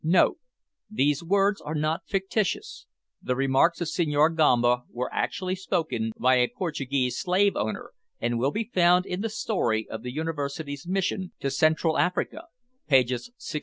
[These words are not fictitious. The remarks of Senhor Gamba were actually spoken by a Portuguese slave owner, and will be found in The Story of the Universities' Mission to Central Africa, pages 64 5 6.